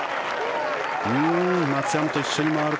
松山と一緒に回る